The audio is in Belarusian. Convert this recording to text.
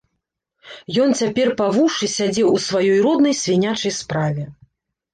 Ён цяпер па вушы сядзеў у сваёй роднай свінячай справе.